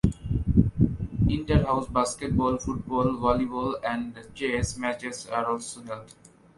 Inter house basketball, football, volleyball and chess matches are also held.